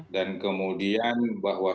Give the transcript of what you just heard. dan kemudian bahwa